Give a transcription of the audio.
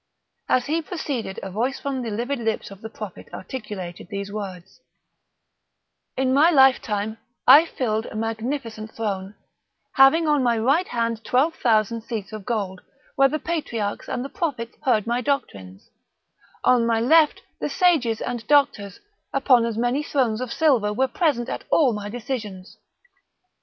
As he proceeded a voice from the livid lips of the Prophet articulated these words: "In my life time I filled a magnificent throne, having on my right hand twelve thousand seats of gold, where the patriarchs and the prophets heard my doctrines; on my left the sages and doctors, upon as many thrones of silver, were present at all my decisions.